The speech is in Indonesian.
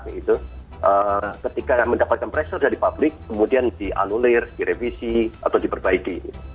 ketika mendapatkan pressure dari publik kemudian dianulir direvisi atau diperbaiki